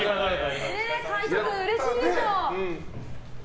海仁君、うれしいでしょ。